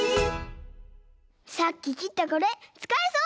さっききったこれつかえそう！